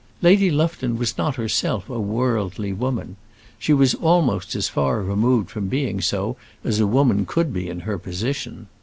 Lady Lufton was not herself a worldly woman. She was almost as far removed from being so as a woman could be in her position.